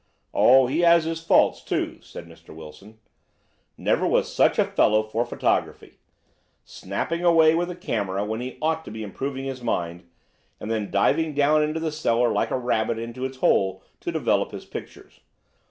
"Oh, he has his faults, too," said Mr. Wilson. "Never was such a fellow for photography. Snapping away with a camera when he ought to be improving his mind, and then diving down into the cellar like a rabbit into its hole to develop his pictures.